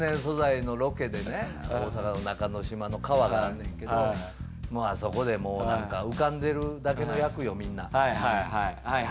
大阪の中之島の川があんねんけどあそこで浮かんでるだけの役よみんな。